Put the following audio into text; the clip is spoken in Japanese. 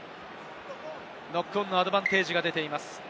ノックオンのアドバンテージが出ています。